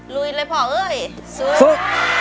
ลุยเลยพอเว้ยสู้